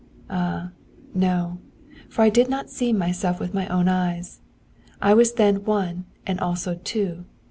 Ah no! for I did not see myself with my own eyes. I was then one and also two.